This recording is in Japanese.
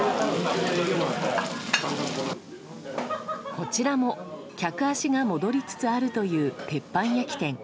こちらも客足が戻りつつあるという鉄板焼き店。